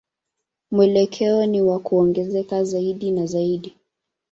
Mwelekeo ni wa kuongezeka zaidi na zaidi.